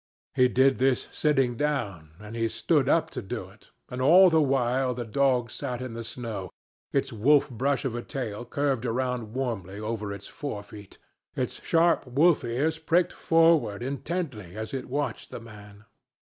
He did this sitting down, and he stood up to do it; and all the while the dog sat in the snow, its wolf brush of a tail curled around warmly over its forefeet, its sharp wolf ears pricked forward intently as it watched the man.